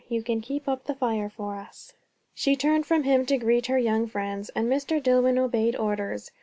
You can keep up the fire for us." She turned from him to greet her young friends, and Mr. Dillwyn obeyed orders.